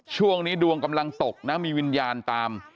ช่วงนี้ดวงกำลังตกนะมีวิญญาณตาม